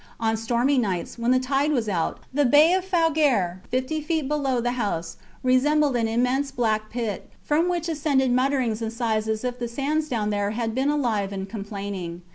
On stormy nights, when the tide was out, the bay of Fougere, fifty feet below the house, resembled an immense black pit, from which ascended mutterings and sighs as if the sands down there had been alive and complaining.